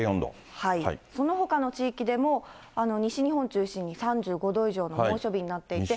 そのほかの地域でも、西日本中心に３５度以上の猛暑日になっていて。